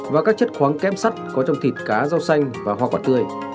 và các chất khoáng kép sắt có trong thịt cá rau xanh và hoa quả tươi